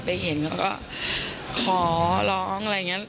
ไปเห็นเขาก็ขอร้องเราไง